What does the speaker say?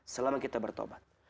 selama kita bertaubat